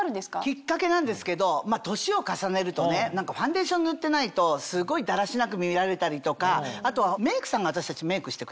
きっかけなんですけど年を重ねるとファンデーション塗ってないとすごいだらしなく見られたりとかあとはメイクさんが私たちメイクしてくれる。